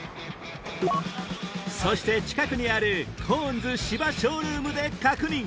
そして近くにあるコーンズ芝ショールームで確認